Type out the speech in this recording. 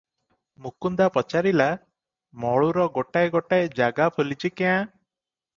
ମୁକୁନ୍ଦା ପଚାରିଲା,"ମଳୁର ଗୋଟାଏ ଗୋଟାଏ ଜାଗା ଫୁଲିଛି କ୍ୟାଁ?